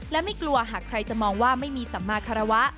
และไม่กลัวหากใครจะมองว่าไม่มีสัมมาคารวะ